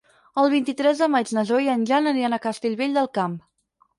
El vint-i-tres de maig na Zoè i en Jan aniran a Castellvell del Camp.